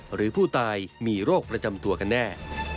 หรือผู้ตายมีโรคประจำตัวกันแน่